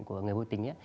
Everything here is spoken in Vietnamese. của người vô tình